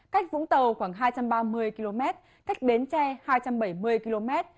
cách vũng tàu khoảng hai trăm ba mươi km cách bến tre hai trăm bảy mươi km